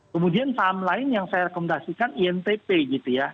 kemudian saham lain yang saya rekomendasikan intp gitu ya